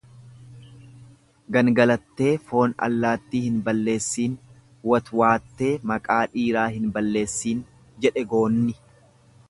Gangalattee foon allaatti hin balleessiin, watwaattee maqaa dhiiraa hin balleessin, jedhe goonni.